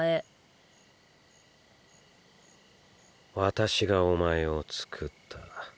私がお前をつくった。